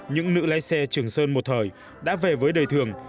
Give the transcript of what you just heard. những nữ lái xe trường sơn một thời đã về với đời thường